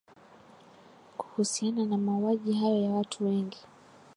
kuhusiana na mauaji hayo ya watu wengi